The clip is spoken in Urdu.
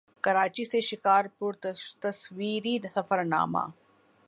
کراچی سے شکارپور تصویری سفرنامہ